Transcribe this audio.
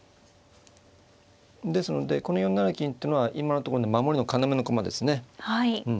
ですのでこの４七金っていうのは今のところ守りの要の駒ですねうん。